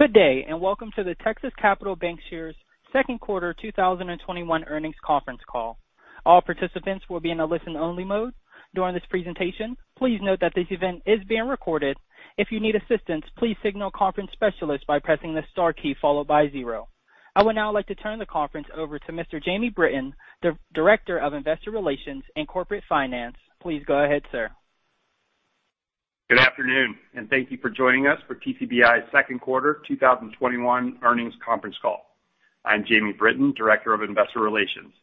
Good day, and welcome to the Texas Capital Bancshares second quarter 2021 earnings conference call. All participants will be in a listen-only mode during this presentation. Please note that this event is being recorded. If you need assistance, please signal a conference specialist by pressing the star key followed by zero. I would now like to turn the conference over to Mr. Jamie Britton, the Director of Investor Relations and Corporate Finance. Please go ahead, sir. Good afternoon. Thank you for joining us for TCBI's second quarter 2021 earnings conference call. I'm Jamie Britton, Director of Investor Relations.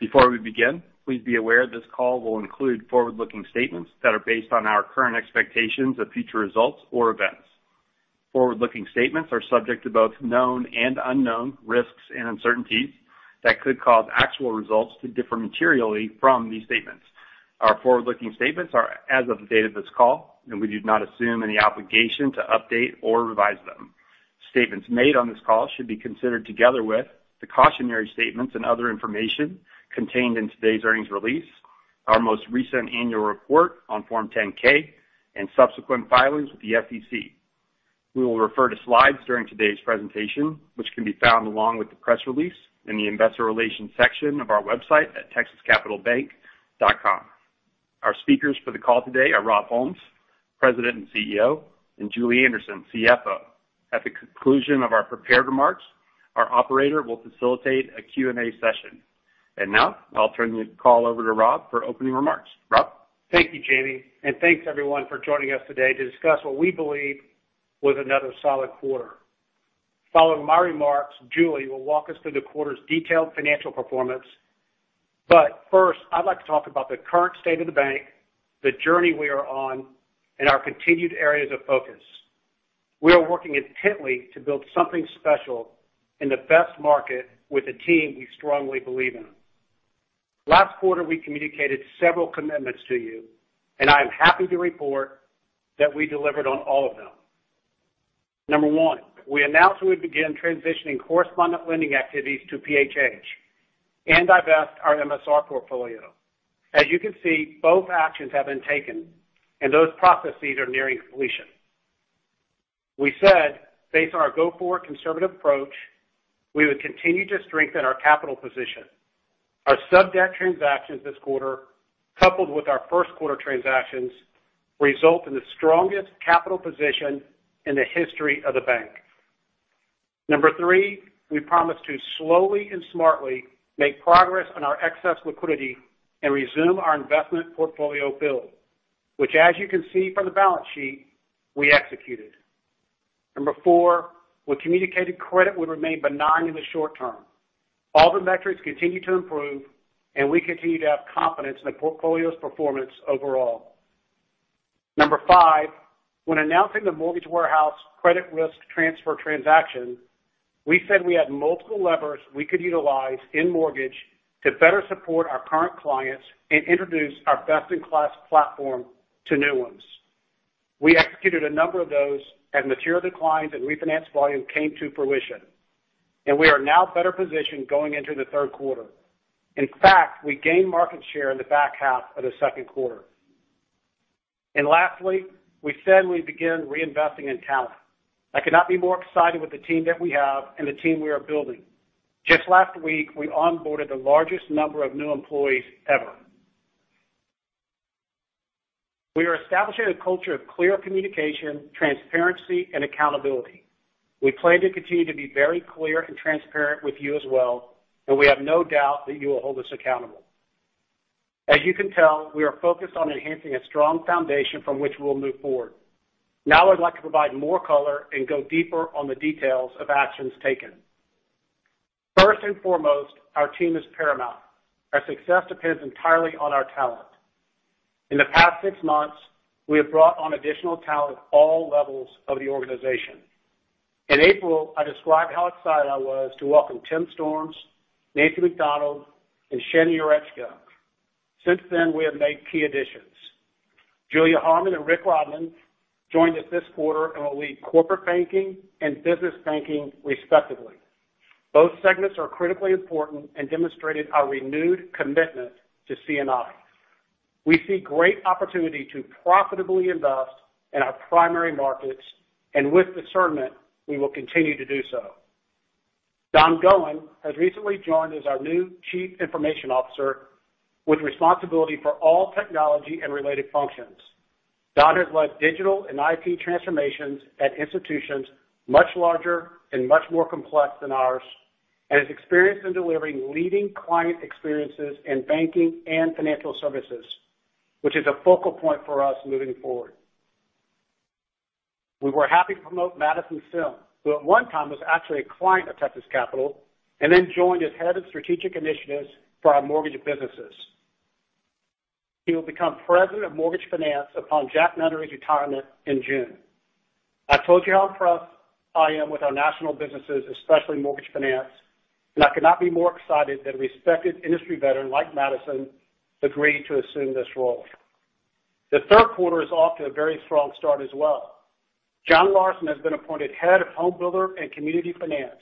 Before we begin, please be aware this call will include forward-looking statements that are based on our current expectations of future results or events. Forward-looking statements are sub-debt to both known and unknown risks and uncertainties that could cause actual results to differ materially from these statements. Our forward-looking statements are as of the date of this call. We do not assume any obligation to update or revise them. Statements made on this call should be considered together with the cautionary statements and other information contained in today's earnings release, our most recent annual report on Form 10-K and subsequent filings with the SEC. We will refer to slides during today's presentation, which can be found along with the press release in the investor relations section of our website at texascapitalbank.com. Our speakers for the call today are Rob Holmes, President and CEO, and Julie Anderson, CFO. At the conclusion of our prepared remarks, our operator will facilitate a Q&A session. Now, I'll turn the call over to Rob for opening remarks. Rob? Thank you, Jamie, and thanks everyone for joining us today to discuss what we believe was another solid quarter. Following my remarks, Julie will walk us through the quarter's detailed financial performance. First, I'd like to talk about the current state of the bank, the journey we are on, and our continued areas of focus. We are working intently to build something special in the best market with a team we strongly believe in. Last quarter, we communicated several commitments to you. I am happy to report that we delivered on all of them. Number one, we announced we would begin transitioning correspondent lending activities to PHH and divest our MSR portfolio. As you can see, both actions have been taken. Those processes are nearing completion. We said based on our go-forward conservative approach, we would continue to strengthen our capital position. Our sub-debt transactions this quarter, coupled with our first quarter transactions, result in the strongest capital position in the history of the bank. Number three, we promised to slowly and smartly make progress on our excess liquidity and resume our investment portfolio build, which as you can see from the balance sheet, we executed. Number four, we communicated credit would remain benign in the short term. All the metrics continue to improve, and we continue to have confidence in the portfolio's performance overall. Number five, when announcing the Mortgage Warehouse credit risk transfer transaction, we said we had multiple levers we could utilize in mortgage to better support our current clients and introduce our best-in-class platform to new ones. We executed a number of those as material declines and refinance volume came to fruition, and we are now better positioned going into the third quarter. In fact, we gained market share in the back half of the second quarter. Lastly, we said we'd begin reinvesting in talent. I could not be more excited with the team that we have and the team we are building. Just last week, we onboarded the largest number of new employees ever. We are establishing a culture of clear communication, transparency, and accountability. We plan to continue to be very clear and transparent with you as well, and we have no doubt that you will hold us accountable. As you can tell, we are focused on enhancing a strong foundation from which we'll move forward. I'd like to provide more color and go deeper on the details of actions taken. First and foremost, our team is paramount. Our success depends entirely on our talent. In the past six months, we have brought on additional talent at all levels of the organization. In April, I described how excited I was to welcome Tim Storms, Nathan McDonald, and Shannon Jurecka. Since then, we have made key additions. Julia Harman and Rick Rodman joined us this quarter and will lead corporate banking and business banking respectively. Both segments are critically important and demonstrated our renewed commitment to C&I. We see great opportunity to profitably invest in our primary markets, and with discernment, we will continue to do so. Don Goin has recently joined as our new Chief Information Officer with responsibility for all technology and related functions. Don has led digital and IT transformations at institutions much larger and much more complex than ours and is experienced in delivering leading client experiences in banking and financial services, which is a focal point for us moving forward. We were happy to promote Madison Simm, who at one time was actually a client of Texas Capital and then joined as head of strategic initiatives for our mortgage businesses. He will become president of Mortgage Finance upon Jack Nunnery's retirement in June. I told you how impressed I am with our national businesses, especially Mortgage Finance, and I could not be more excited that a respected industry veteran like Madison agreed to assume this role. The third quarter is off to a very strong start as well. Jon Larson has been appointed head of Homebuilder and Community Finance.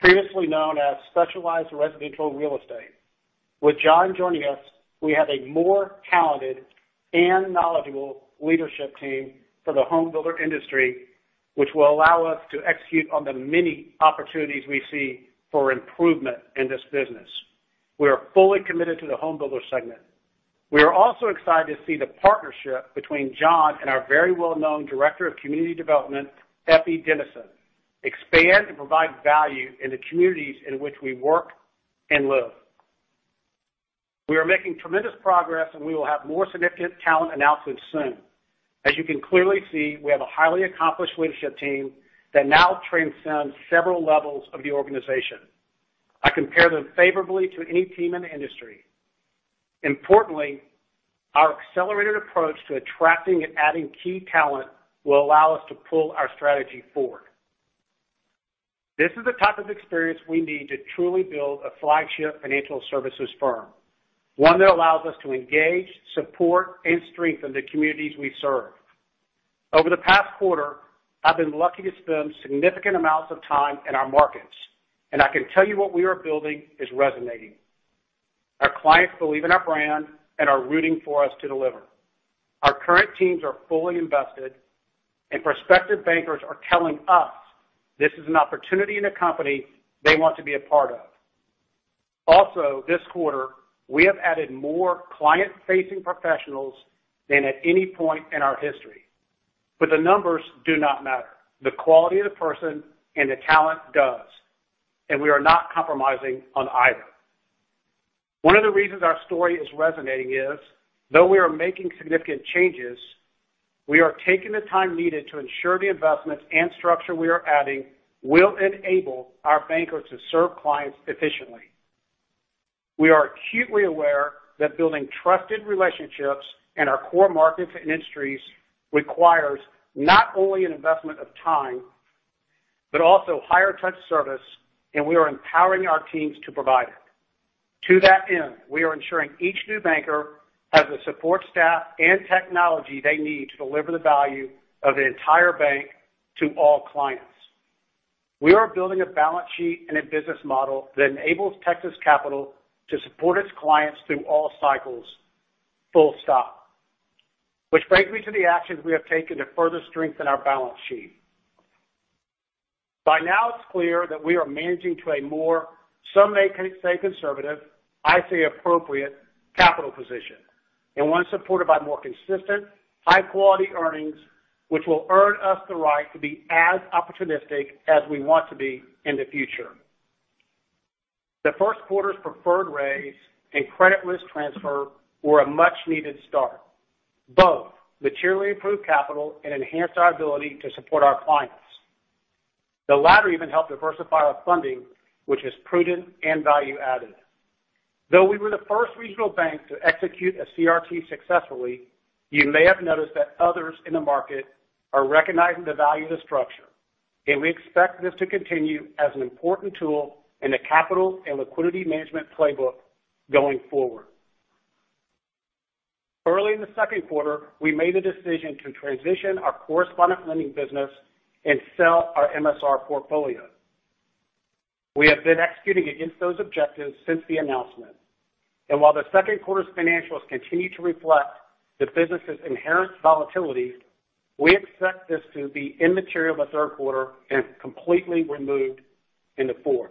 Previously known as Specialized Residential Real Estate. With Jon joining us, we have a more talented and knowledgeable leadership team for the homebuilder industry, which will allow us to execute on the many opportunities we see for improvement in this business. We are fully committed to the homebuilder segment. We are also excited to see the partnership between Jon Larson and our very well-known Director of Community Development, Effie Dennison, expand and provide value in the communities in which we work and live. We are making tremendous progress, and we will have more significant talent announcements soon. As you can clearly see, we have a highly accomplished leadership team that now transcends several levels of the organization. I compare them favorably to any team in the industry. Importantly, our accelerated approach to attracting and adding key talent will allow us to pull our strategy forward. This is the type of experience we need to truly build a flagship financial services firm, one that allows us to engage, support, and strengthen the communities we serve. Over the past quarter, I've been lucky to spend significant amounts of time in our markets, and I can tell you what we are building is resonating. Our clients believe in our brand and are rooting for us to deliver. Our current teams are fully invested, and prospective bankers are telling us this is an opportunity and a company they want to be a part of. Also, this quarter, we have added more client-facing professionals than at any point in our history. The numbers do not matter. The quality of the person and the talent does, and we are not compromising on either. One of the reasons our story is resonating is, though we are making significant changes, we are taking the time needed to ensure the investments and structure we are adding will enable our bankers to serve clients efficiently. We are acutely aware that building trusted relationships in our core markets and industries requires not only an investment of time, but also higher touch service, and we are empowering our teams to provide it. To that end, we are ensuring each new banker has the support staff and technology they need to deliver the value of the entire bank to all clients. We are building a balance sheet and a business model that enables Texas Capital to support its clients through all cycles, full stop. Which brings me to the actions we have taken to further strengthen our balance sheet. By now it's clear that we are managing to a more, some may say conservative, I say appropriate, capital position, and one supported by more consistent, high-quality earnings, which will earn us the right to be as opportunistic as we want to be in the future. The first quarter's preferred raise and credit risk transfer were a much-needed start. Both materially improved capital and enhanced our ability to support our clients. The latter even helped diversify our funding, which is prudent and value-added. Though we were the first regional bank to execute a CRT successfully, you may have noticed that others in the market are recognizing the value of the structure, and we expect this to continue as an important tool in the capital and liquidity management playbook going forward. Early in the second quarter, we made a decision to transition our correspondent lending business and sell our MSR portfolio. We have been executing against those objectives since the announcement. While the second quarter's financials continue to reflect the business's inherent volatility, we expect this to be immaterial by third quarter and completely removed in the fourth.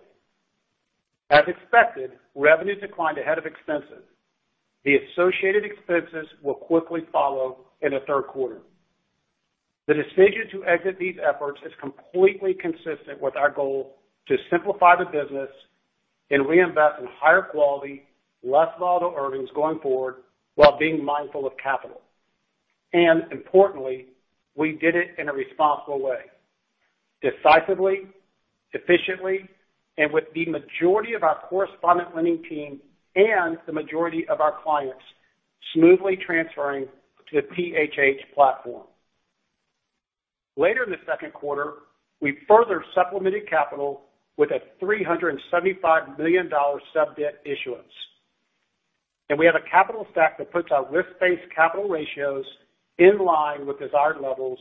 As expected, revenue declined ahead of expenses. The associated expenses will quickly follow in the third quarter. The decision to exit these efforts is completely consistent with our goal to simplify the business and reinvest in higher quality, less volatile earnings going forward while being mindful of capital. Importantly, we did it in a responsible way, decisively, efficiently, and with the majority of our correspondent lending team and the majority of our clients smoothly transferring to the PHH platform. Later in the second quarter, we further supplemented capital with a $375 million sub-debt issuance. We have a capital stack that puts our risk-based capital ratios in line with desired levels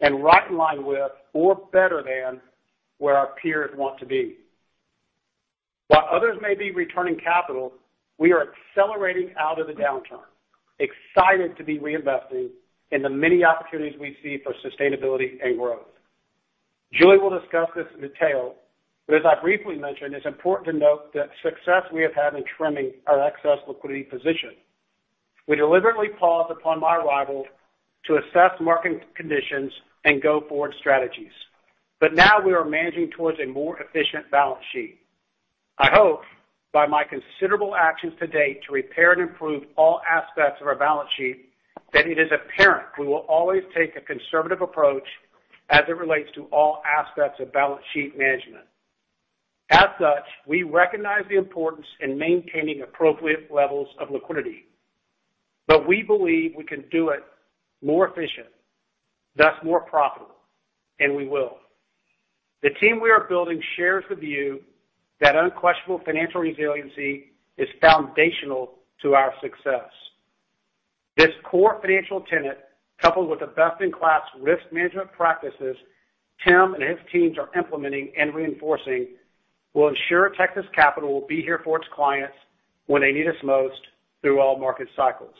and right in line with or better than where our peers want to be. While others may be returning capital, we are accelerating out of the downturn, excited to be reinvesting in the many opportunities we see for sustainability and growth. Julie will discuss this in detail. As I briefly mentioned, it's important to note the success we have had in trimming our excess liquidity position. We deliberately paused upon my arrival to assess market conditions and go-forward strategies. Now we are managing towards a more efficient balance sheet. I hope by my considerable actions to date to repair and improve all aspects of our balance sheet, that it is apparent we will always take a conservative approach as it relates to all aspects of balance sheet management. As such, we recognize the importance in maintaining appropriate levels of liquidity. We believe we can do it more efficient, thus more profitable, and we will. The team we are building shares the view that unquestionable financial resiliency is foundational to our success. This core financial tenet, coupled with the best-in-class risk management practices Tim and his teams are implementing and reinforcing, will ensure Texas Capital will be here for its clients when they need us most through all market cycles.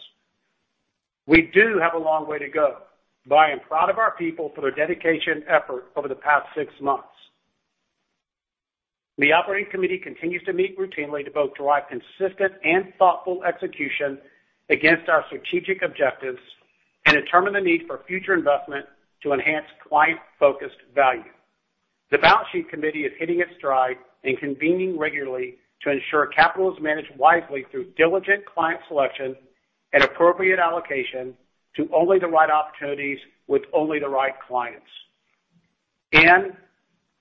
We do have a long way to go, but I am proud of our people for their dedication and effort over the past six months. The operating committee continues to meet routinely to both drive consistent and thoughtful execution against our strategic objectives and determine the need for future investment to enhance client-focused value. The balance sheet committee is hitting its stride and convening regularly to ensure capital is managed wisely through diligent client selection and appropriate allocation to only the right opportunities with only the right clients.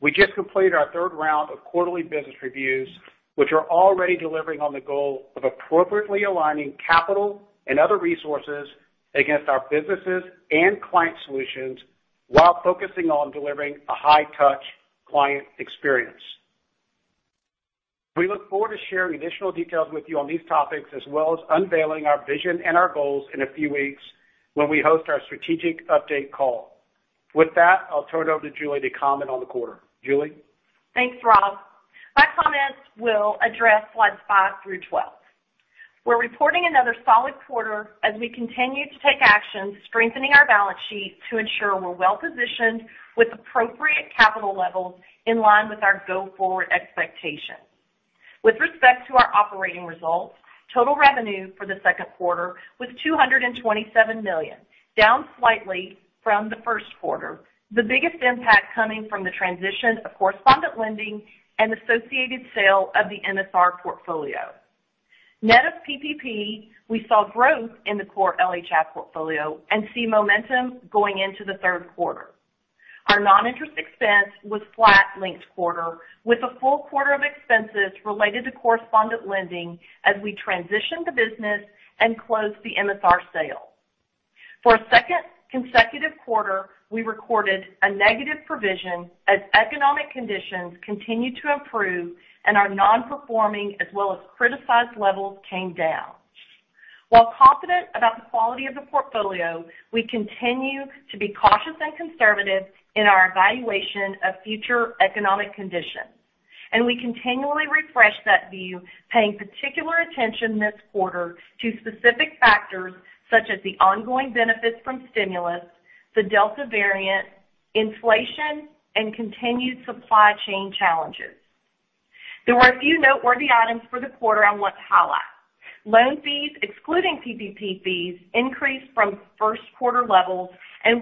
We just completed our third round of quarterly business reviews, which are already delivering on the goal of appropriately aligning capital and other resources against our businesses and client solutions while focusing on delivering a high-touch client experience. We look forward to sharing additional details with you on these topics, as well as unveiling our vision and our goals in a few weeks when we host our strategic update call. With that, I'll turn it over to Julie to comment on the quarter. Julie? Thanks, Rob. My comments will address slides five through 12. We're reporting another solid quarter as we continue to take actions strengthening our balance sheet to ensure we're well-positioned with appropriate capital levels in line with our go-forward expectations. With respect to our operating results, total revenue for the second quarter was $227 million, down slightly from the first quarter. The biggest impact coming from the transition of correspondent lending and associated sale of the MSR portfolio. Net of PPP, we saw growth in the core LHI portfolio and see momentum going into the third quarter. Our non-interest expense was flat linked-quarter, with a full quarter of expenses related to correspondent lending as we transitioned the business and closed the MSR sale. For a second consecutive quarter, we recorded a negative provision as economic conditions continued to improve and our non-performing as well as criticized levels came down. While confident about the quality of the portfolio, we continue to be cautious and conservative in our evaluation of future economic conditions. We continually refresh that view, paying particular attention this quarter to specific factors such as the ongoing benefits from stimulus, the Delta variant, inflation, and continued supply chain challenges. There were a few noteworthy items for the quarter I want to highlight. Loan fees, excluding PPP fees, increased from first quarter levels.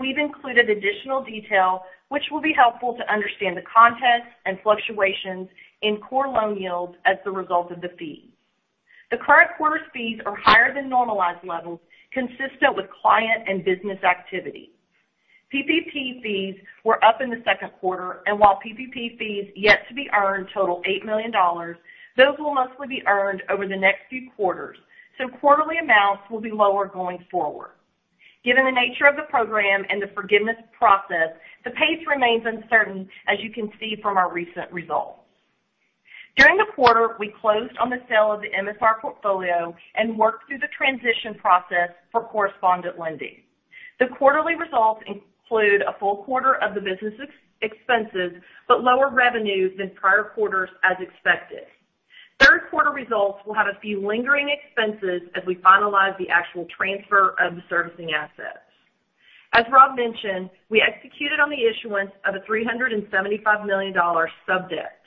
We've included additional detail which will be helpful to understand the context and fluctuations in core loan yields as the result of the fees. The current quarter's fees are higher than normalized levels, consistent with client and business activity. PPP fees were up in the second quarter, and while PPP fees yet to be earned total $8 million, those will mostly be earned over the next few quarters, so quarterly amounts will be lower going forward. Given the nature of the program and the forgiveness process, the pace remains uncertain, as you can see from our recent results. During the quarter, we closed on the sale of the MSR portfolio and worked through the transition process for correspondent lending. The quarterly results include a full quarter of the business expenses, but lower revenues than prior quarters as expected. Third quarter results will have a few lingering expenses as we finalize the actual transfer of the servicing assets. As Rob mentioned, we executed on the issuance of a $375 million subject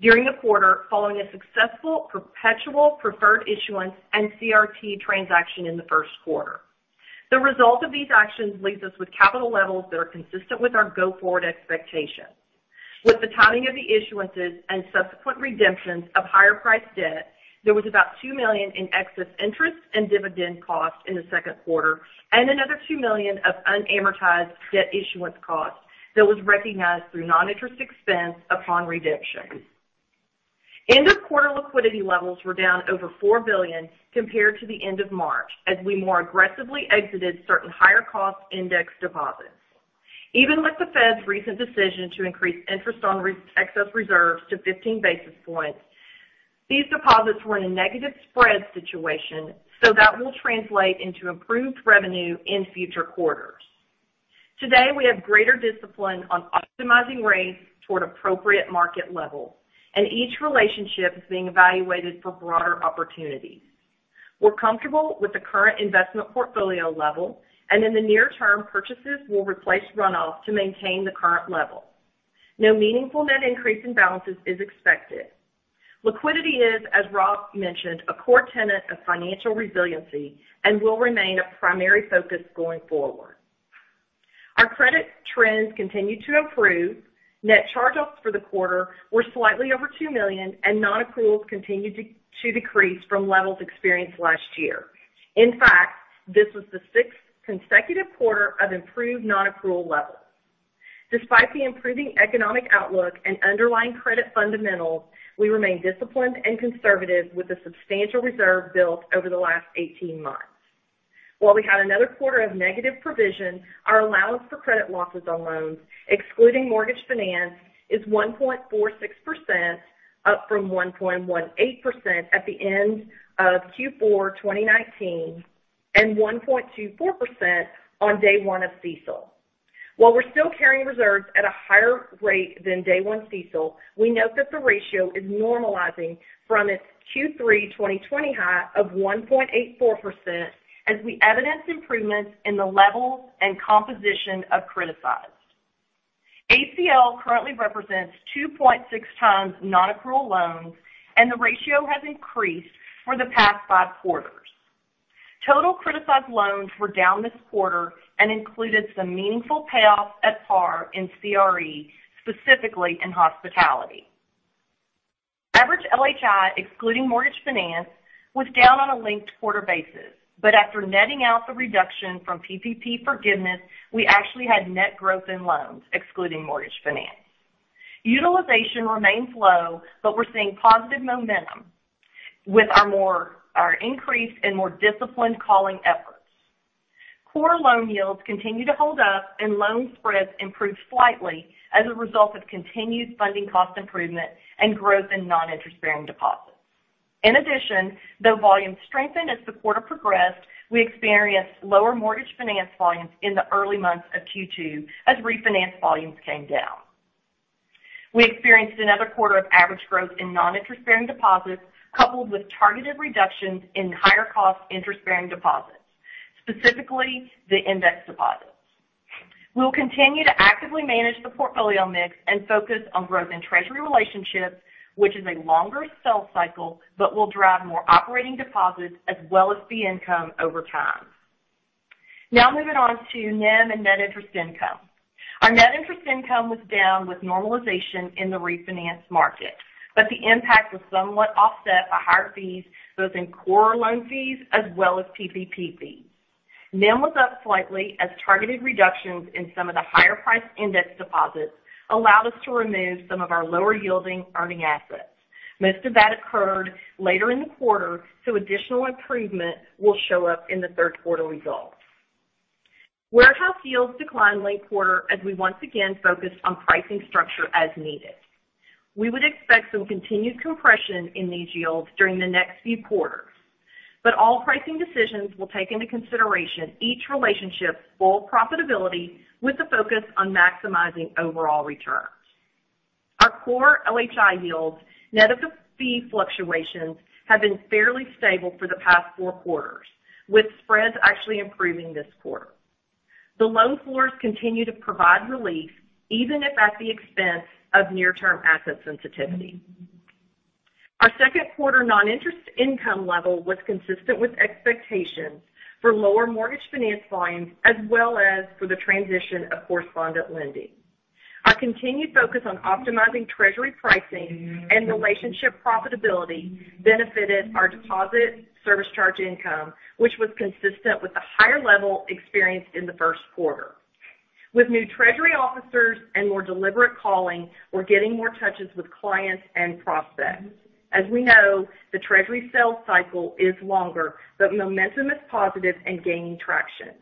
during the quarter following a successful perpetual preferred issuance and CRT transaction in the first quarter. The result of these actions leaves us with capital levels that are consistent with our go-forward expectations. With the timing of the issuances and subsequent redemptions of higher priced debt, there was about $2 million in excess interest and dividend costs in the second quarter, and another $2 million of unamortized debt issuance costs that was recognized through non-interest expense upon redemption. End of quarter liquidity levels were down over $4 billion compared to the end of March, as we more aggressively exited certain higher cost index deposits. Even with the Fed's recent decision to increase interest on excess reserves to 15 basis points, these deposits were in a negative spread situation, so that will translate into improved revenue in future quarters. Today, we have greater discipline on optimizing rates toward appropriate market level, and each relationship is being evaluated for broader opportunities. We're comfortable with the current investment portfolio level, and in the near term, purchases will replace runoffs to maintain the current level. No meaningful net increase in balances is expected. Liquidity is, as Rob mentioned, a core tenet of financial resiliency and will remain a primary focus going forward. Our credit trends continue to improve. Net charge-offs for the quarter were slightly over $2 million, and non-accruals continued to decrease from levels experienced last year. In fact, this was the sixth consecutive quarter of improved non-accrual levels. Despite the improving economic outlook and underlying credit fundamentals, we remain disciplined and conservative with the substantial reserve built over the last 18 months. While we had another quarter of negative provision, our allowance for credit losses on loans, excluding Mortgage Finance, is 1.46%, up from 1.18% at the end of Q4 2019, and 1.24% on day one of CECL. While we're still carrying reserves at a higher rate than day one CECL, we note that the ratio is normalizing from its Q3 2020 high of 1.84% as we evidence improvements in the levels and composition of criticized. ACL currently represents 2.6x non-accrual loans. The ratio has increased for the past five quarters. Total criticized loans were down this quarter and included some meaningful payoffs at par in CRE, specifically in hospitality. Average LHI, excluding Mortgage Finance, was down on a linked quarter basis. After netting out the reduction from PPP forgiveness, we actually had net growth in loans, excluding Mortgage Finance. Utilization remains low. We're seeing positive momentum with our increase in more disciplined calling efforts. Core loan yields continue to hold up. Loan spreads improved slightly as a result of continued funding cost improvement and growth in non-interest bearing deposits. In addition, though volume strengthened as the quarter progressed, we experienced lower Mortgage Finance volumes in the early months of Q2 as refinance volumes came down. We experienced another quarter of average growth in non-interest bearing deposits, coupled with targeted reductions in higher cost interest-bearing deposits, specifically the index deposits. We'll continue to actively manage the portfolio mix and focus on growth in treasury relationships, which is a longer sell cycle, but will drive more operating deposits as well as fee income over time. Now moving on to NIM and net interest income. Our net interest income was down with normalization in the refinance market, but the impact was somewhat offset by higher fees, both in core loan fees as well as PPP fees. NIM was up slightly as targeted reductions in some of the higher priced index deposits allowed us to remove some of our lower yielding earning assets. Most of that occurred later in the quarter. Additional improvement will show up in the third quarter results. Warehouse yields declined late quarter as we once again focused on pricing structure as needed. We would expect some continued compression in these yields during the next few quarters. All pricing decisions will take into consideration each relationship's full profitability with a focus on maximizing overall returns. Our core LHI yields, net of the fee fluctuations, have been fairly stable for the past four quarters, with spreads actually improving this quarter. The loan floors continue to provide relief, even if at the expense of near-term asset sensitivity. Our second quarter non-interest income level was consistent with expectations for lower Mortgage Finance volumes as well as for the transition of correspondent lending. Our continued focus on optimizing treasury pricing and relationship profitability benefited our deposit service charge income, which was consistent with the higher level experienced in the first quarter. With new treasury officers and more deliberate calling, we're getting more touches with clients and prospects. As we know, the treasury sales cycle is longer, but momentum is positive and gaining traction.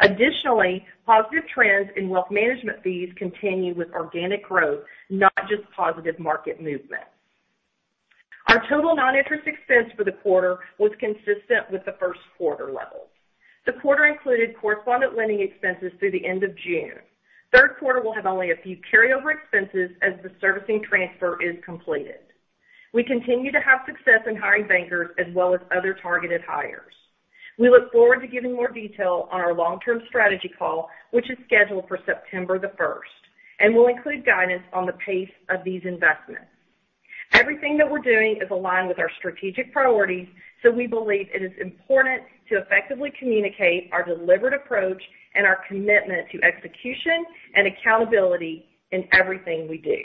Additionally, positive trends in wealth management fees continue with organic growth, not just positive market movement. Our total non-interest expense for the quarter was consistent with the first quarter levels. The quarter included correspondent lending expenses through the end of June. Third quarter will have only a few carryover expenses as the servicing transfer is completed. We continue to have success in hiring bankers as well as other targeted hires. We look forward to giving more detail on our long-term strategy call, which is scheduled for September the 1st, and will include guidance on the pace of these investments. We believe it is important to effectively communicate our deliberate approach and our commitment to execution and accountability in everything we do.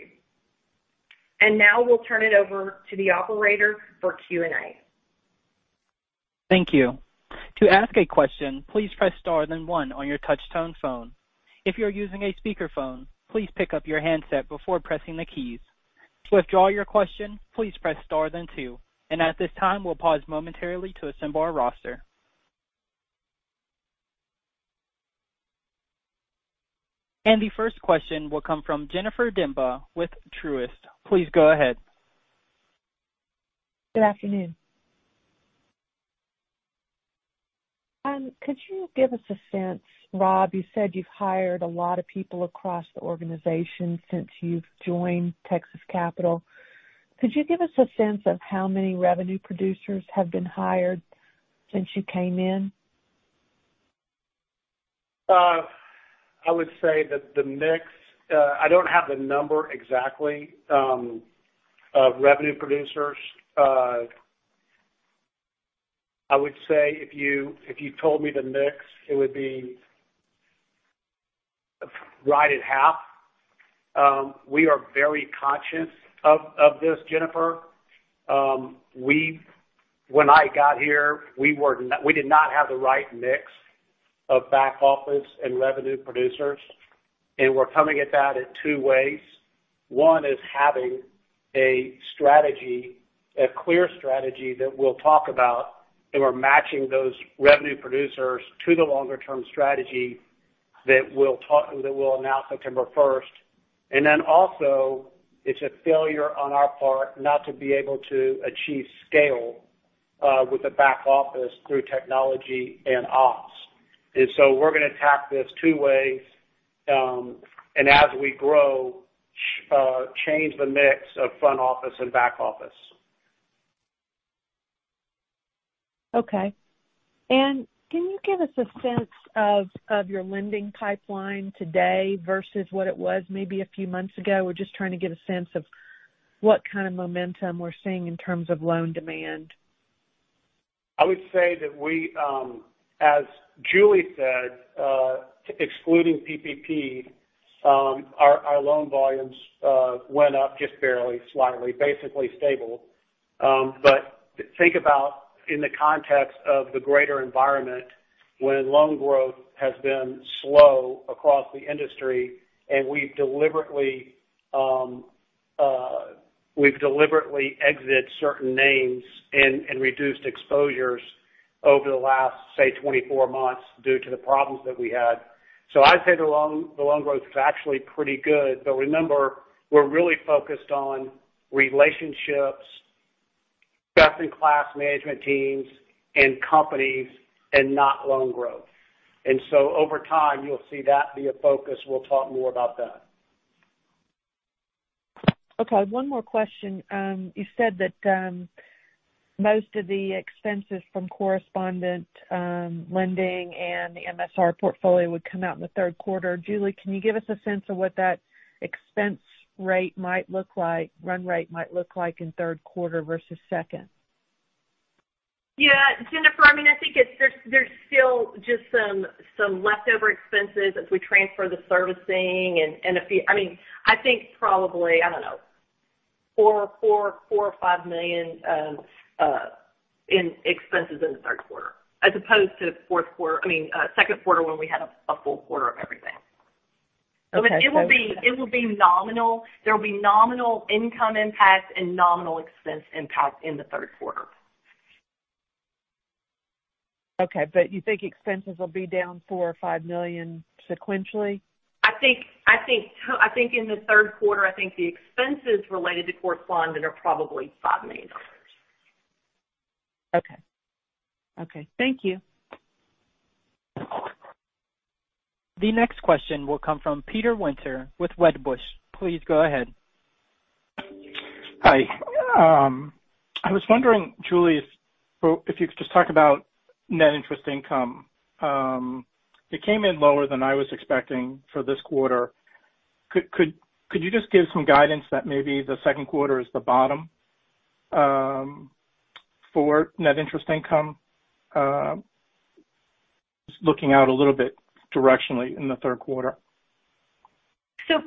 Now we'll turn it over to the operator for Q&A. Thank you. To ask a question, please press star then one on your touch-tone phone. If you're using a speaker phone, please pick up your handset before pressing the keys. To withdraw your question, please press star then two. At this time, we'll pause momentarily to assemble our roster. The first question will come from Jennifer Demba with Truist. Please go ahead. Good afternoon. Could you give us a sense, Rob, you said you've hired a lot of people across the organization since you've joined Texas Capital. Could you give us a sense of how many revenue producers have been hired since you came in? I would say that I don't have the number exactly of revenue producers. I would say if you told me the mix, it would be right at half. We are very conscious of this, Jennifer. When I got here, we did not have the right mix of back office and revenue producers, and we're coming at that in two ways. One is having a clear strategy that we'll talk about, and we're matching those revenue producers to the longer term strategy. That we'll announce September 1st. It's a failure on our part not to be able to achieve scale with the back office through technology and ops. We're going to attack this two ways, and as we grow, change the mix of front office and back office. Okay. Can you give us a sense of your lending pipeline today versus what it was maybe a few months ago? We're just trying to get a sense of what kind of momentum we're seeing in terms of loan demand. I would say that we, as Julie said, excluding PPP, our loan volumes went up just barely, slightly, basically stable. Think about in the context of the greater environment when loan growth has been slow across the industry, and we've deliberately exit certain names and reduced exposures over the last, say, 24 months due to the problems that we had. I'd say the loan growth is actually pretty good. Remember, we're really focused on relationships, best-in-class management teams and companies, and not loan growth. Over time, you'll see that be a focus. We'll talk more about that. Okay, one more question. You said that most of the expenses from correspondent lending and the MSR portfolio would come out in the third quarter. Julie, can you give us a sense of what that expense rate might look like, run rate might look like in third quarter versus second? Yeah. Jennifer, I think there's still just some leftover expenses as we transfer the servicing and I think probably, I don't know, $4 or $5 million in expenses in the third quarter as opposed to second quarter when we had a full quarter of everything. Okay. It will be nominal. There'll be nominal income impact and nominal expense impact in the third quarter. Okay. You think expenses will be down $4 or $5 million sequentially? I think in the third quarter, I think the expenses related to correspondent are probably $5 million. Okay. Thank you. The next question will come from Peter Winter with Wedbush. Please go ahead. Hi. I was wondering, Julie, if you could just talk about net interest income. It came in lower than I was expecting for this quarter. Could you just give some guidance that maybe the second quarter is the bottom for net interest income? Just looking out a little bit directionally in the third quarter.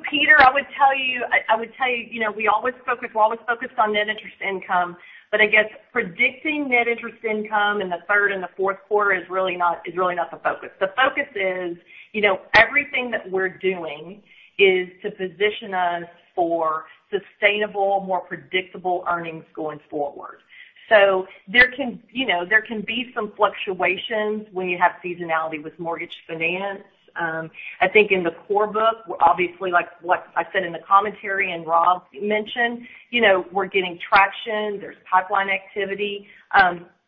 Peter, I would tell you, we're always focused on net interest income, but I guess predicting net interest income in the third and the fourth quarter is really not the focus. The focus is everything that we're doing is to position us for sustainable, more predictable earnings going forward. There can be some fluctuations when you have seasonality with Mortgage Finance. I think in the core book, obviously, like what I said in the commentary and Rob mentioned, we're getting traction. There's pipeline activity.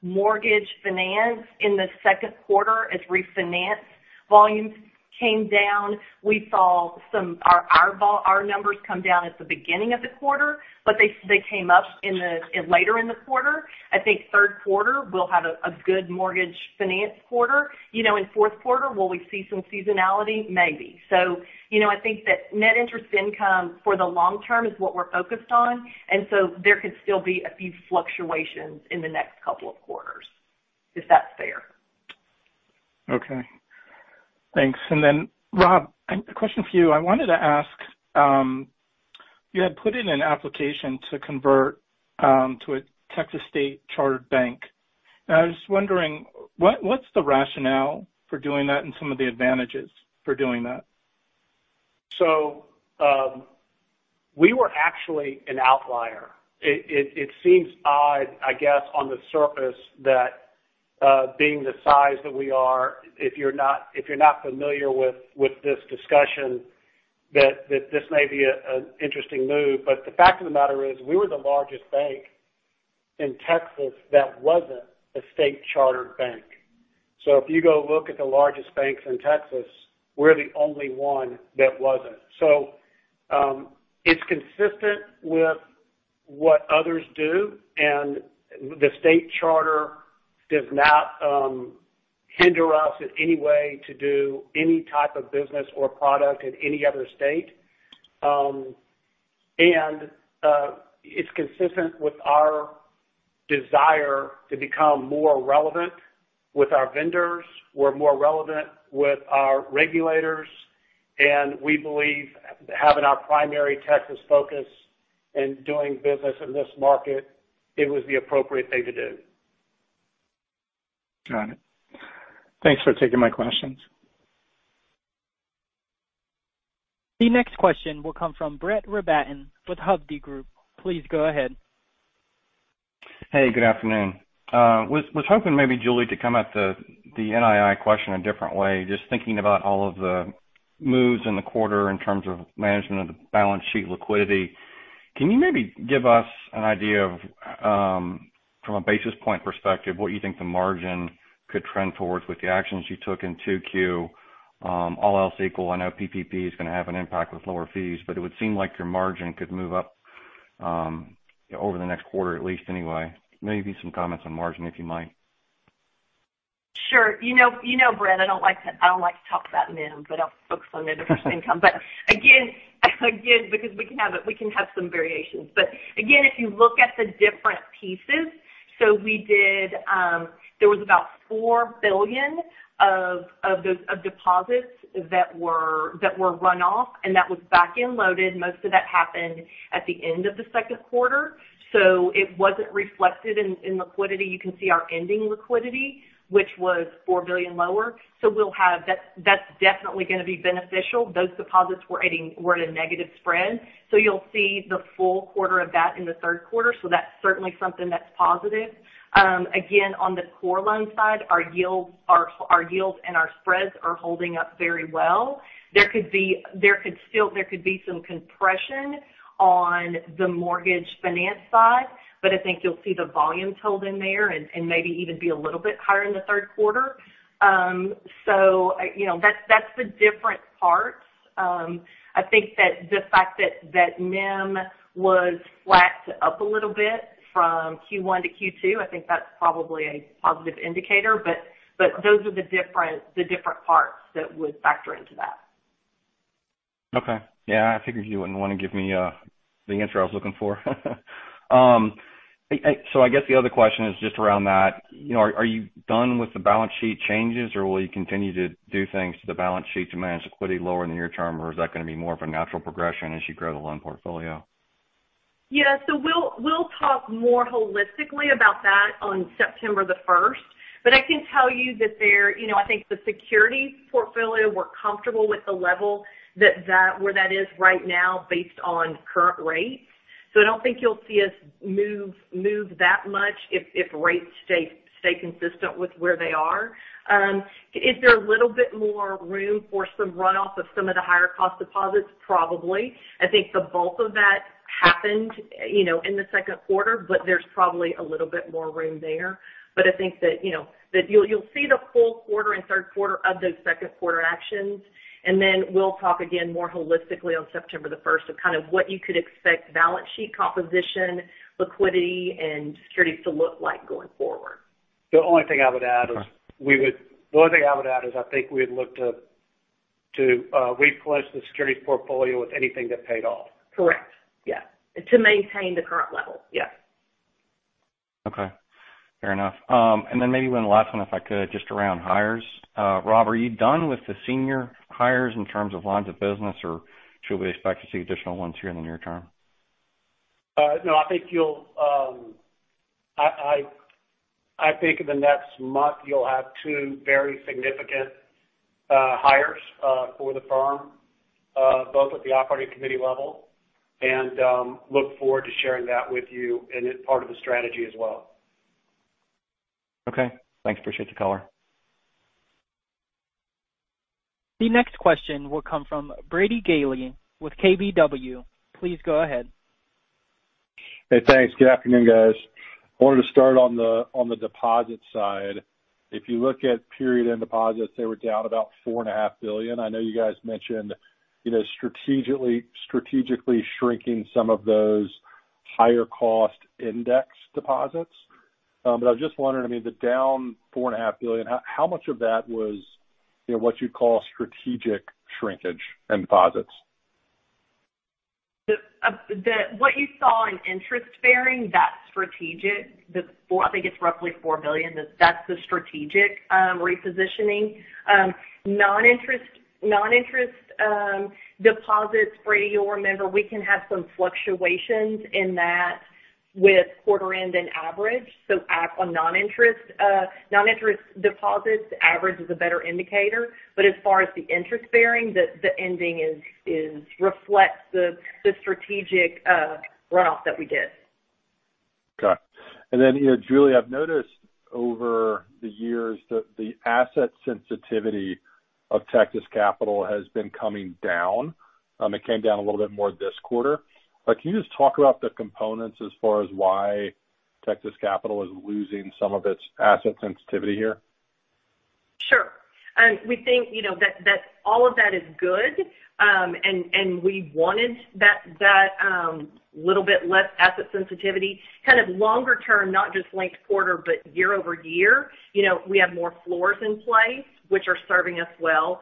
Mortgage Finance in the second quarter, as refinance volumes came down, we saw our numbers come down at the beginning of the quarter, but they came up later in the quarter. I think third quarter we'll have a good Mortgage Finance quarter. In fourth quarter, will we see some seasonality? Maybe. I think that net interest income for the long term is what we're focused on. There could still be a few fluctuations in the next couple of quarters. If that's fair. Okay. Thanks. Rob, a question for you. I wanted to ask, you had put in an application to convert to a Texas state-chartered bank, and I was just wondering what's the rationale for doing that and some of the advantages for doing that? We were actually an outlier. It seems odd, I guess, on the surface, that being the size that we are, if you're not familiar with this discussion, that this may be an interesting move. The fact of the matter is we were the largest bank in Texas that wasn't a state-chartered bank. If you go look at the largest banks in Texas, we're the only one that wasn't. It's consistent with what others do, and the state charter does not hinder us in any way to do any type of business or product in any other state. It's consistent with our desire to become more relevant with our vendors. We're more relevant with our regulators, and we believe having our primary Texas focus and doing business in this market, it was the appropriate thing to do. Got it. Thanks for taking my questions. The next question will come from Brett Rabatin with Hovde Group. Please go ahead. Hey, good afternoon. Was hoping maybe Julie to come at the NII question a different way, just thinking about all of the moves in the quarter in terms of management of the balance sheet liquidity. Can you maybe give us an idea of, from a basis point perspective, what you think the margin could trend towards with the actions you took in 2Q, all else equal? I know PPP is going to have an impact with lower fees, but it would seem like your margin could move up over the next quarter, at least anyway. Maybe some comments on margin, if you might. Sure. You know, Brad, I don't like to talk about NIM, I'll focus on net interest income. Again, because we can have some variations. Again, if you look at the different pieces, there was about $4 billion of deposits that were run off, that was back-end loaded. Most of that happened at the end of the second quarter. It wasn't reflected in liquidity. You can see our ending liquidity, which was $4 billion lower. That's definitely going to be beneficial. Those deposits were at a negative spread. You'll see the full quarter of that in the third quarter, that's certainly something that's positive. Again, on the core loan side, our yields and our spreads are holding up very well. There could be some compression on the Mortgage Finance side, but I think you'll see the volumes held in there and maybe even be a little bit higher in the third quarter. That's the different parts. I think that the fact that NIM was flat to up a little bit from Q1 to Q2, I think that's probably a positive indicator. Those are the different parts that would factor into that. Okay. Yeah, I figured you wouldn't want to give me the answer I was looking for. I guess the other question is just around that. Are you done with the balance sheet changes, or will you continue to do things to the balance sheet to manage liquidity lower in the near term, or is that going to be more of a natural progression as you grow the loan portfolio? Yeah. We'll talk more holistically about that on September 1st. I can tell you that I think the securities portfolio, we're comfortable with the level where that is right now based on current rates. I don't think you'll see us move that much if rates stay consistent with where they are. Is there a little bit more room for some runoff of some of the higher cost deposits? Probably. I think the bulk of that happened in the second quarter, but there's probably a little bit more room there. I think that you'll see the full quarter in third quarter of those second quarter actions, and then we'll talk again more holistically on September 1st of kind of what you could expect balance sheet composition, liquidity, and securities to look like going forward. The only thing I would add. All right. I think we had looked to replenish the securities portfolio with anything that paid off. Correct. Yeah. To maintain the current level. Yeah. Okay. Fair enough. Maybe one last one, if I could, just around hires. Rob, are you done with the senior hires in terms of lines of business, or should we expect to see additional ones here in the near term? No, I think in the next month you'll have two very significant hires for the firm, both at the operating committee level, and look forward to sharing that with you. It's part of the strategy as well. Okay. Thanks. Appreciate the color. The next question will come from Brady Gailey with KBW. Please go ahead. Hey, thanks. Good afternoon, guys. I wanted to start on the deposit side. If you look at period-end deposits, they were down about $4.5 billion. I know you guys mentioned strategically shrinking some of those higher cost index deposits. I was just wondering, the down $4.5 billion, how much of that was what you'd call strategic shrinkage in deposits? What you saw in interest bearing, that's strategic. I think it's roughly $4 billion. That's the strategic repositioning. Non-interest deposits, Brady, you'll remember we can have some fluctuations in that with quarter end and average. On non-interest deposits, average is a better indicator. As far as the interest bearing, the ending reflects the strategic runoff that we did. Got it. Julie, I've noticed over the years that the asset sensitivity of Texas Capital has been coming down. It came down a little bit more this quarter. Can you just talk about the components as far as why Texas Capital is losing some of its asset sensitivity here? Sure. We think that all of that is good, we wanted that little bit less asset sensitivity kind of longer term, not just linked quarter, but year-over-year. We have more floors in place, which are serving us well.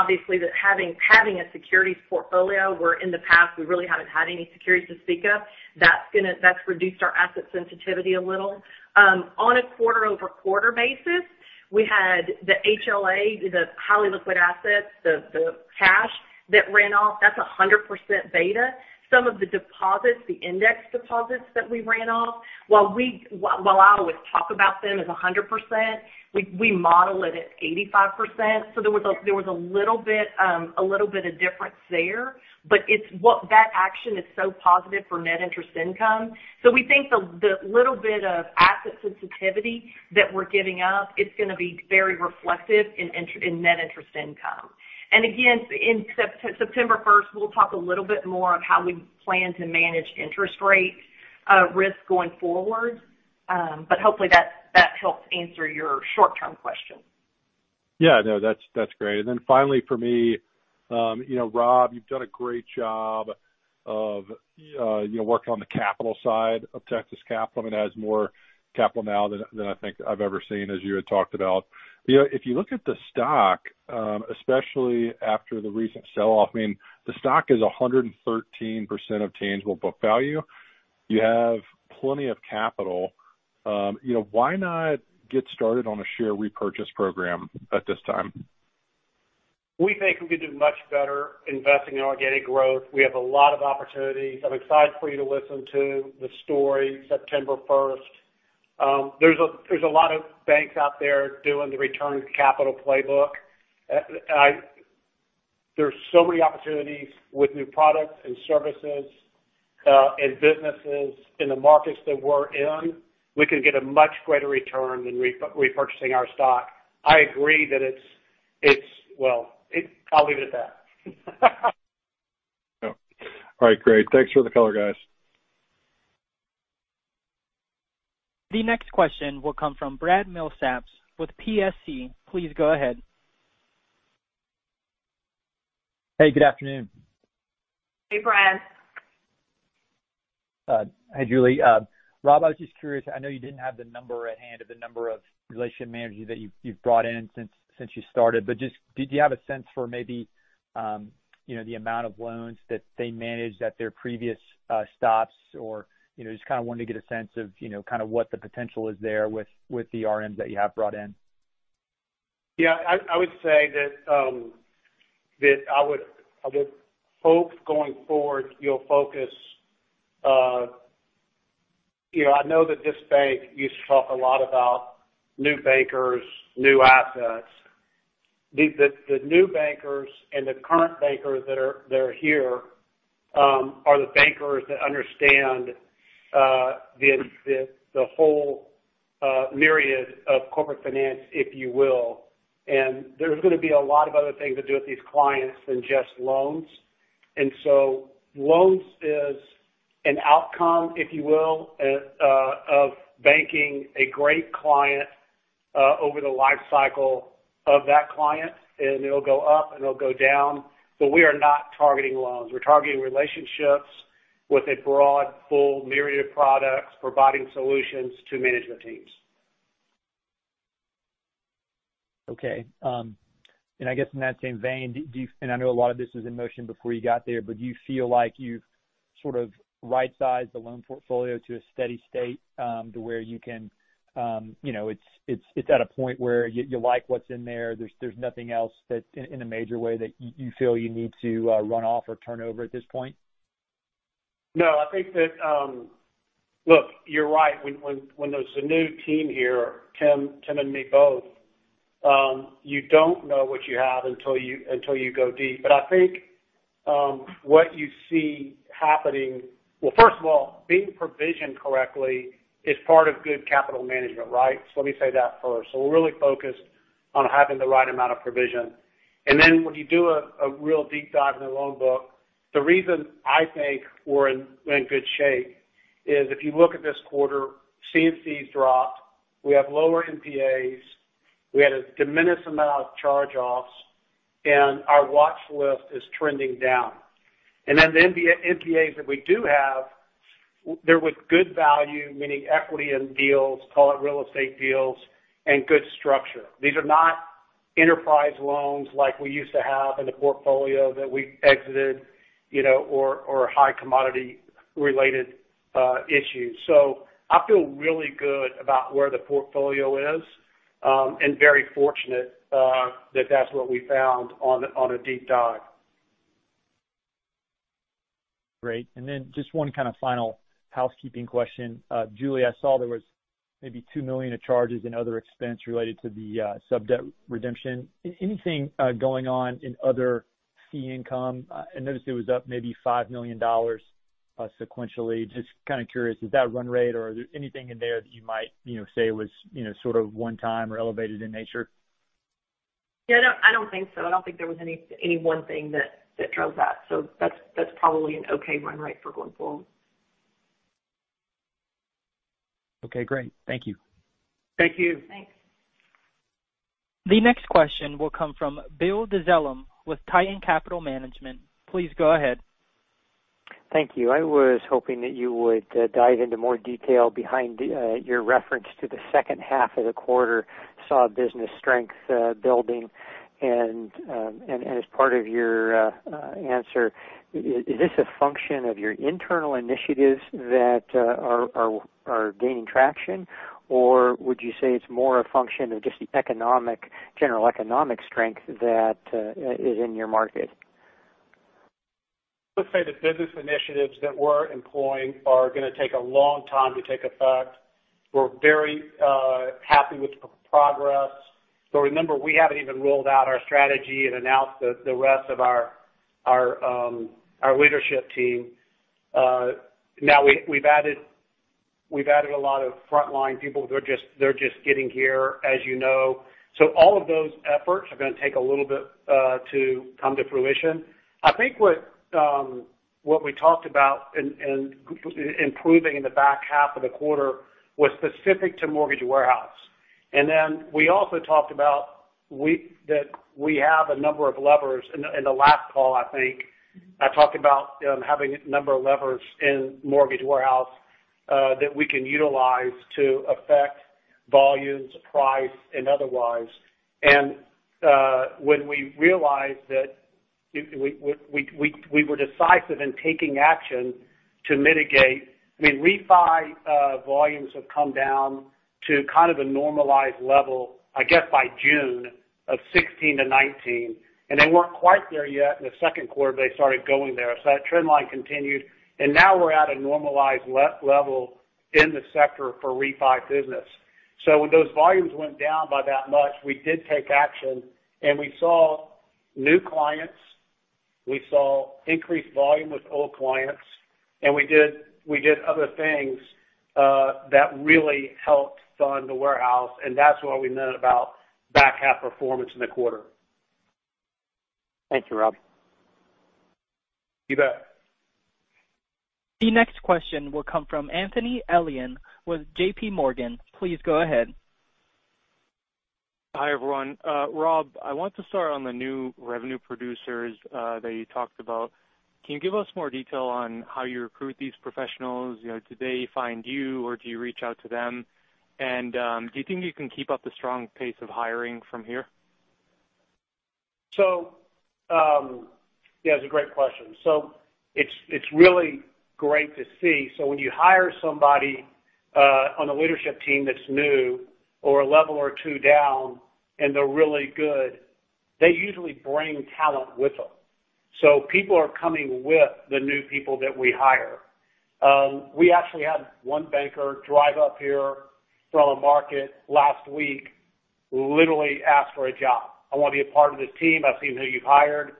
Obviously that having a securities portfolio, where in the past we really haven't had any securities to speak of, that's reduced our asset sensitivity a little. On a quarter-over-quarter basis, we had the HLA, the highly liquid assets, the cash that ran off. That's 100% beta. Some of the deposits, the index deposits that we ran off, while I always talk about them as 100%, we model it at 85%. There was a little bit of difference there. That action is so positive for net interest income. We think the little bit of asset sensitivity that we're giving up, it's going to be very reflective in net interest income. Again, in September 1st, we'll talk a little bit more on how we plan to manage interest rate risk going forward. Hopefully that helps answer your short-term question. Yeah, no, that's great. Finally for me, Rob, you've done a great job of working on the capital side of Texas Capital. It has more capital now than I think I've ever seen, as you had talked about. If you look at the stock, especially after the recent sell-off, I mean, the stock is 113% of tangible book value. You have plenty of capital. Why not get started on a share repurchase program at this time? We think we can do much better investing in organic growth. We have a lot of opportunities. I'm excited for you to listen to the story September 1st. There's a lot of banks out there doing the return capital playbook. There's so many opportunities with new products and services, and businesses in the markets that we're in. We can get a much greater return than repurchasing our stock. Well, I'll leave it at that. All right, great. Thanks for the color, guys. The next question will come from Brad Milsaps with PSC. Please go ahead. Hey, good afternoon. Hey, Brad. Hi, Julie. Rob, I was just curious, I know you didn't have the number at hand of the number of relationship managers that you've brought in since you started, but just do you have a sense for maybe the amount of loans that they managed at their previous stops or just kind of wanted to get a sense of kind of what the potential is there with the RMs that you have brought in? I would say that I would hope going forward, you'll focus-- I know that this bank used to talk a lot about new bankers, new assets. The new bankers and the current bankers that are here, are the bankers that understand the whole myriad of corporate finance, if you will. There's going to be a lot of other things to do with these clients than just loans. Loans is an outcome, if you will, of banking a great client, over the life cycle of that client. It'll go up and it'll go down. We are not targeting loans. We're targeting relationships with a broad, full myriad of products, providing solutions to management teams. Okay. I guess in that same vein, I know a lot of this was in motion before you got there, do you feel like you've sort of right-sized the loan portfolio to a steady state, to where it's at a point where you like what's in there's nothing else that's in a major way that you feel you need to run off or turn over at this point? No, I think. Look, you're right. When there's a new team here, Tim and me both, you don't know what you have until you go deep. I think, first of all, being provisioned correctly is part of good capital management, right? Let me say that first. We're really focused on having the right amount of provision. When you do a real deep dive in the loan book, the reason I think we're in good shape is if you look at this quarter, C&Cs dropped, we have lower NPAs, we had a diminished amount of charge-offs, and our watch list is trending down. The NPAs that we do have, they're with good value, meaning equity in deals, call it real estate deals, and good structure. These are not enterprise loans like we used to have in the portfolio that we exited or high commodity related issues. I feel really good about where the portfolio is, and very fortunate that that's what we found on a deep dive. Great. Just one kind of final housekeeping question. Julie, I saw there was maybe $2 million of charges in other expense related to the sub-debt redemption. Anything going on in other fee income? I noticed it was up maybe $5 million sequentially. Just kind of curious, is that run rate or is there anything in there that you might say was sort of one time or elevated in nature? Yeah, I don't think so. I don't think there was any one thing that drove that. That's probably an okay run rate for going forward. Okay, great. Thank you. Thank you. Thanks. The next question will come from Bill Dezellem with Tieton Capital Management. Please go ahead. Thank you. I was hoping that you would dive into more detail behind your reference to the second half of the quarter saw business strength building. As part of your answer, is this a function of your internal initiatives that are gaining traction, or would you say it's more a function of just the general economic strength that is in your market? Let's say the business initiatives that we're employing are going to take a long time to take effect. We're very happy with the progress. Remember, we haven't even rolled out our strategy and announced the rest of our leadership team. Now we've added a lot of frontline people. They're just getting here, as you know. All of those efforts are going to take a little bit to come to fruition. I think what we talked about in improving in the back half of the quarter was specific to mortgage warehouse. Then we also talked about that we have a number of levers. In the last call, I think, I talked about having a number of levers in mortgage warehouse that we can utilize to affect volumes, price, and otherwise. When we realized that we were decisive in taking action to mitigate. Refi volumes have come down to kind of a normalized level, I guess, by June of 2016 to 2019. They weren't quite there yet in the second quarter, but they started going there. That trend line continued, and now we're at a normalized level in the sector for refi business. When those volumes went down by that much, we did take action, and we saw new clients. We saw increased volume with old clients, and we did other things that really helped fund the warehouse, and that's why we know about back half performance in the quarter. Thank you, Rob. You bet. The next question will come from Anthony Elian with JPMorgan. Please go ahead. Hi, everyone. Rob, I want to start on the new revenue producers that you talked about. Can you give us more detail on how you recruit these professionals? Do they find you, or do you reach out to them? Do you think you can keep up the strong pace of hiring from here? It's a great question. It's really great to see. When you hire somebody on the leadership team that's new or a level or two down and they're really good, they usually bring talent with them. People are coming with the new people that we hire. We actually had one banker drive up here from a market last week, literally asked for a job. I want to be a part of this team. I've seen who you've hired.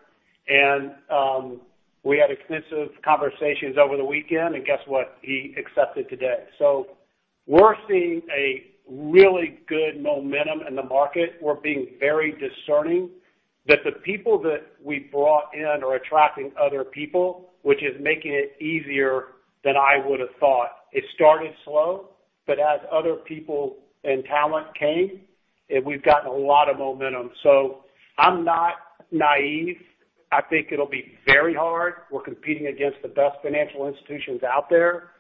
We had extensive conversations over the weekend, and guess what? He accepted today. We're seeing a really good momentum in the market. We're being very discerning that the people that we brought in are attracting other people, which is making it easier than I would have thought. It started slow, but as other people and talent came, we've gotten a lot of momentum. I'm not naive. I think it'll be very hard. We're competing against the best financial institutions out there.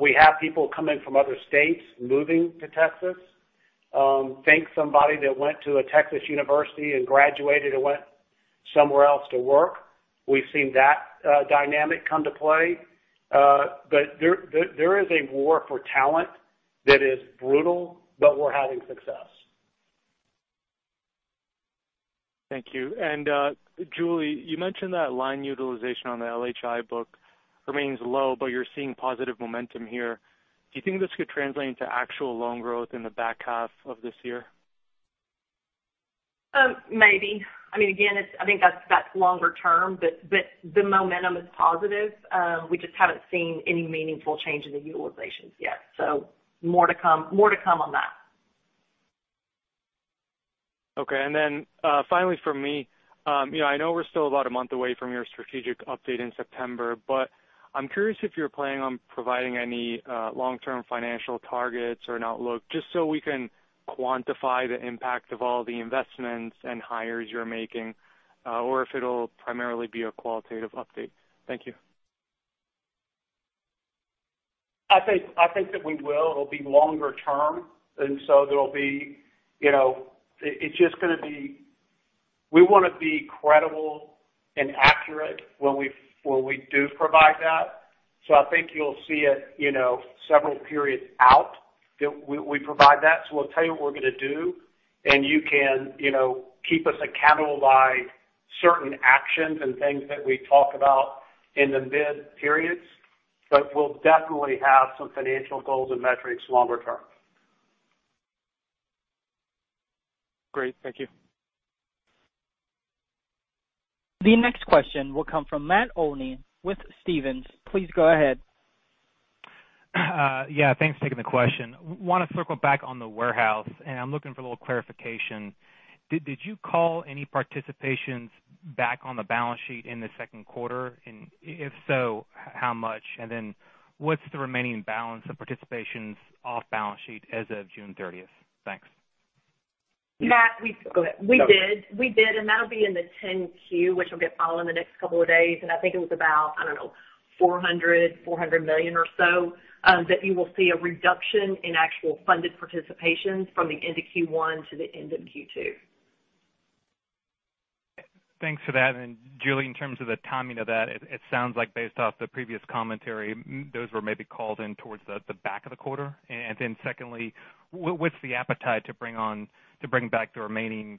We have people coming from other states, moving to Texas. Thank somebody that went to a Texas university and graduated and went somewhere else to work. We've seen that dynamic come to play. There is a war for talent that is brutal, but we're having success.. Thank you. Julie, you mentioned that line utilization on the LHI book remains low, but you're seeing positive momentum here. Do you think this could translate into actual loan growth in the back half of this year? Maybe. Again, I think that's longer term, but the momentum is positive. We just haven't seen any meaningful change in the utilizations yet. More to come on that. Okay. Finally from me. I know we're still about a month away from your strategic update in September, but I'm curious if you're planning on providing any long-term financial targets or an outlook, just so we can quantify the impact of all the investments and hires you're making, or if it'll primarily be a qualitative update. Thank you. I think that we will. It'll be longer term. We want to be credible and accurate when we do provide that. I think you'll see it several periods out that we provide that. We'll tell you what we're going to do, and you can keep us accountable by certain actions and things that we talk about in the mid-periods. We'll definitely have some financial goals and metrics longer term. Great. Thank you. The next question will come from Matt Olney with Stephens. Please go ahead. Yeah, thanks for taking the question. I want to circle back on the warehouse, and I'm looking for a little clarification. Did you call any participations back on the balance sheet in the second quarter? If so, how much? What's the remaining balance of participations off balance sheet as of June 30th? Thanks. Matt, Go ahead. We did. That'll be in the 10-Q, which will get filed in the next couple of days. I think it was about, I don't know, $400 million or so that you will see a reduction in actual funded participations from the end of Q1 to the end of Q2. Thanks for that. Julie, in terms of the timing of that, it sounds like based off the previous commentary, those were maybe called in towards the back of the quarter. Secondly, what's the appetite to bring back the remaining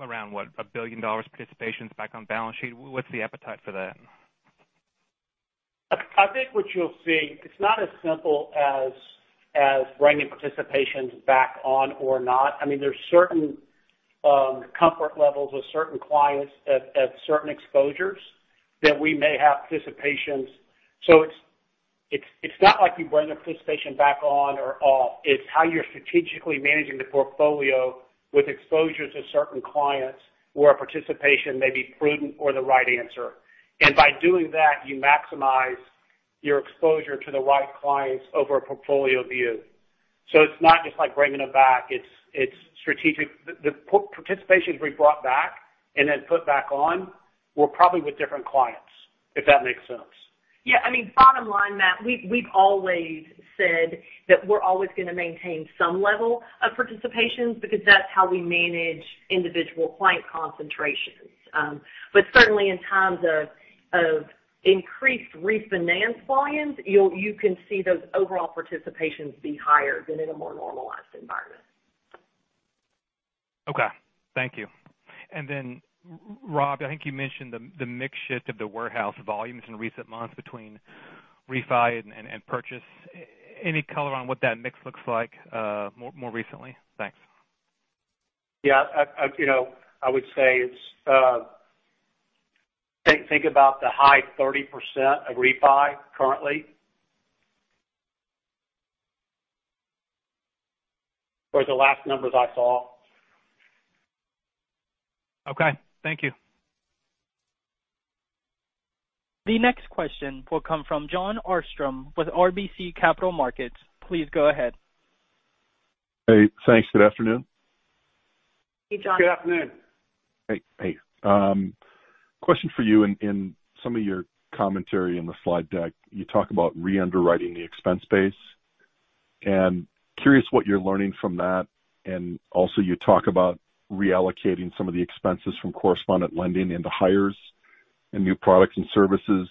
around, what, $1 billion participations back on balance sheet? What's the appetite for that? I think what you'll see, it's not as simple as bringing participations back on or not. There's comfort levels with certain clients at certain exposures that we may have participations. It's not like you bring a participation back on or off. It's how you're strategically managing the portfolio with exposures to certain clients where a participation may be prudent or the right answer. By doing that, you maximize your exposure to the right clients over a portfolio view. It's not just like bringing it back. The participations we brought back and then put back on were probably with different clients, if that makes sense. Yeah. Bottom line, Matt, we've always said that we're always going to maintain some level of participations because that's how we manage individual client concentrations. Certainly in times of increased refinance volumes, you can see those overall participations be higher than in a more normalized environment. Okay. Thank you. Rob, I think you mentioned the mix shift of the warehouse volumes in recent months between refi and purchase. Any color on what that mix looks like more recently? Thanks. Yeah. I would say think about the high 30% of refi currently. For the last numbers I saw. Okay. Thank you. The next question will come from Jon Arfstrom with RBC Capital Markets. Please go ahead. Hey, thanks. Good afternoon. Hey, Jon. Good afternoon. Hey. Question for you. In some of your commentary in the slide deck, you talk about re-underwriting the expense base. Curious what you're learning from that. Also you talk about reallocating some of the expenses from correspondent lending into hires and new products and services.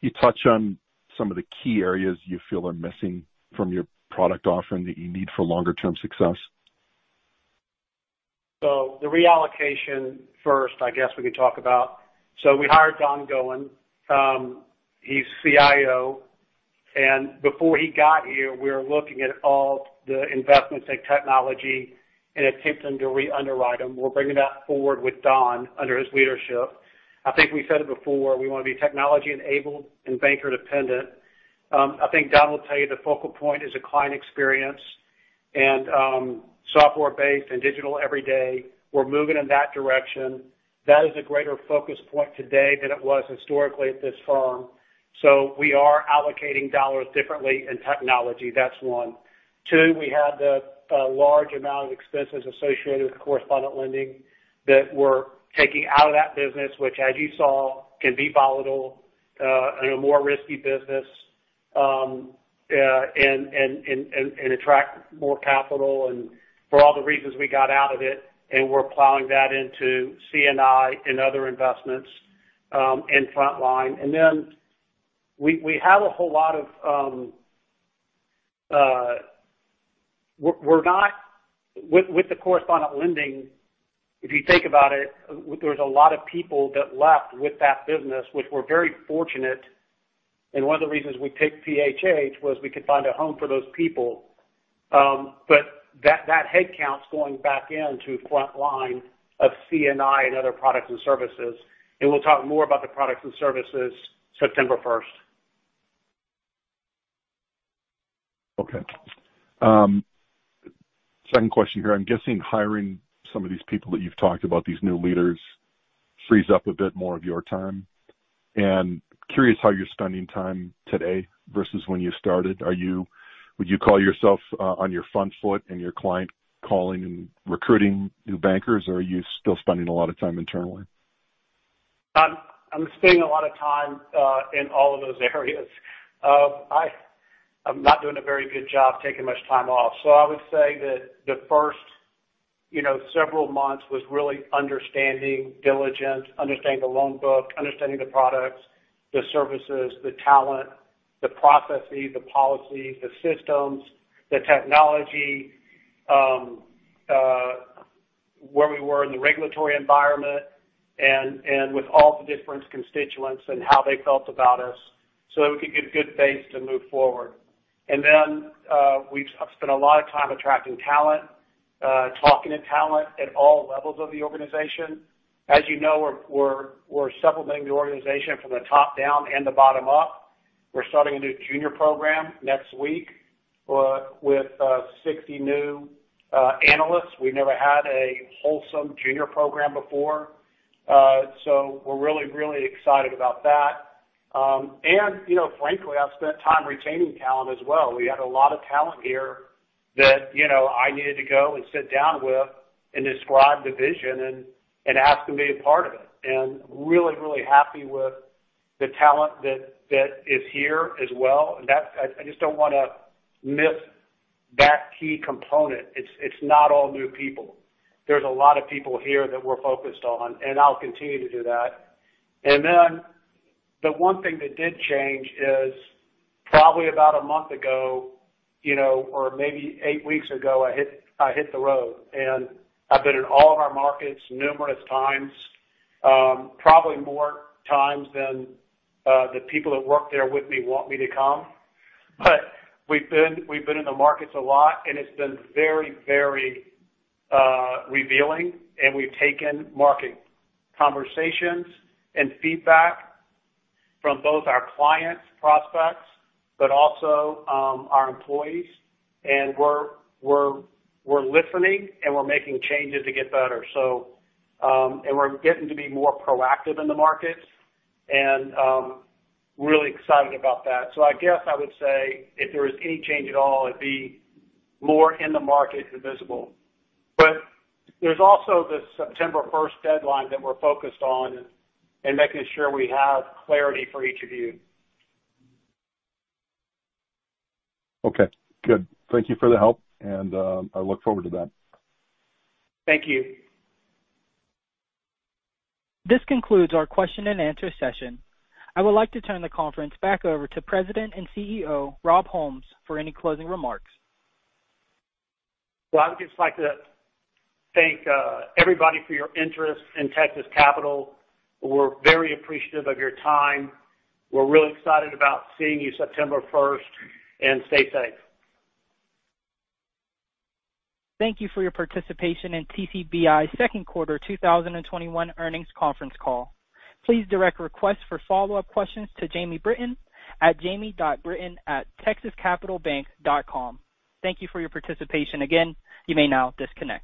You touch on some of the key areas you feel are missing from your product offering that you need for longer-term success. The reallocation first, I guess we can talk about. We hired Don Goin. He's CIO. Before he got here, we were looking at all the investments in technology and attempting to re-underwrite them. We're bringing that forward with Don under his leadership. I think we said it before, we want to be technology-enabled and banker-dependent. I think Don will tell you the focal point is a client experience and software-based and digital every day. We're moving in that direction. That is a greater focus point today than it was historically at this firm. We are allocating dollars differently in technology. That's one. Two, we had a large amount of expenses associated with correspondent lending that we're taking out of that business, which as you saw, can be volatile in a more risky business and attract more capital for all the reasons we got out of it. We're plowing that into C&I and other investments in frontline. With the correspondent lending, if you think about it, there's a lot of people that left with that business, which we're very fortunate. One of the reasons we picked PHH was we could find a home for those people. That headcount's going back into frontline of C&I and other products and services. We'll talk more about the products and services September 1st. Okay. Second question here. I'm guessing hiring some of these people that you've talked about, these new leaders, frees up a bit more of your time. Curious how you're spending time today versus when you started. Would you call yourself on your front foot and your client calling and recruiting new bankers, or are you still spending a lot of time internally? I'm spending a lot of time in all of those areas. I'm not doing a very good job taking much time off. I would say that the first several months was really understanding diligence, understanding the loan book, understanding the products, the services, the talent, the processes, the policies, the systems, the technology where we were in the regulatory environment and with all the different constituents and how they felt about us so that we could get a good base to move forward. I've spent a lot of time attracting talent, talking to talent at all levels of the organization. As you know, we're supplementing the organization from the top down and the bottom up. We're starting a new junior program next week with 60 new analysts. We've never had a wholesome junior program before. We're really excited about that. Frankly, I've spent time retaining talent as well. We had a lot of talent here that I needed to go and sit down with and describe the vision and ask them to be a part of it. Really happy with the talent that is here as well. I just don't want to miss that key component. It's not all new people. There's a lot of people here that we're focused on, and I'll continue to do that. The one thing that did change is probably about a month ago, or maybe eight weeks ago, I hit the road. I've been in all of our markets numerous times. Probably more times than the people that work there with me want me to come. We've been in the markets a lot, and it's been very revealing. We've taken market conversations and feedback from both our clients, prospects, but also our employees. We're listening and we're making changes to get better. We're getting to be more proactive in the markets and really excited about that. I guess I would say if there was any change at all, it'd be more in the market and visible. There's also the September 1st deadline that we're focused on and making sure we have clarity for each of you. Okay, good. Thank you for the help and I look forward to that. Thank you. This concludes our question and answer session. I would like to turn the conference back over to President and CEO, Rob Holmes, for any closing remarks. Well, I would just like to thank everybody for your interest in Texas Capital. We're very appreciative of your time. We're really excited about seeing you September 1st, and stay safe. Thank you for your participation in TCBI second quarter 2021 earnings conference call. Please direct requests for follow-up questions to Jamie Britton at jamie.britton@texascapitalbank.com. Thank you for your participation again. You may now disconnect.